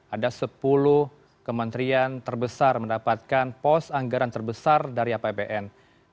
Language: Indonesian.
ada sepuluh kementerian terbesar mendapatkan pos pos anggaran yang diberikan oleh masing masing kementerian dari kemenku